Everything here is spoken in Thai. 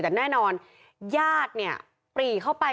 แต่แน่นอนญาติเนี่ยปรีเข้าไป